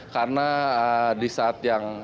karena di saat yang